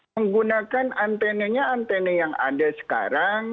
menggunakan antenenya antene yang ada sekarang